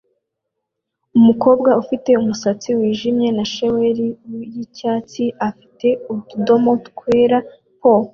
Umukobwa ufite umusatsi wijimye na shaweli yicyatsi afite utudomo twera po